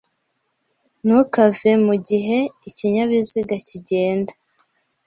Ntukave mugihe ikinyabiziga kigenda.